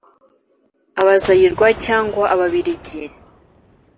abazayirwa cyangwa ababiligi